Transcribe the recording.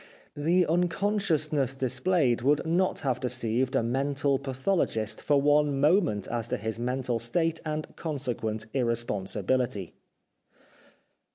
The unconsciousness displayed would not have deceived a mental pathologist for one moment as to his mental state and consequent irresponsibility.